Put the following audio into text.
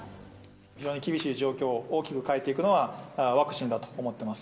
非常に厳しい状況を大きく変えていくのはワクチンだと思ってます。